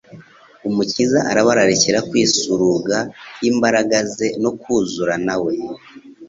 Umukiza arabararikira kwisuruga imbaraga ze no kuzura na we'.